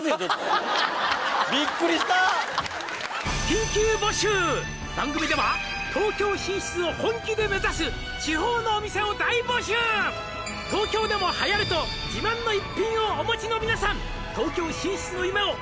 ビックリした「番組では東京進出を本気で目指す」「地方のお店を大募集」「東京でもはやると自慢の一品をお持ちの皆さん」